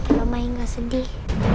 kalau ma enggak sedih